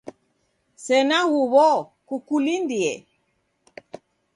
Sena huw'o, kukulindie.